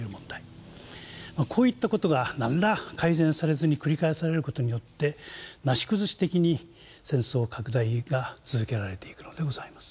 こういった事が何ら改善されずに繰り返される事によってなし崩し的に戦争拡大が続けられていくのでございます。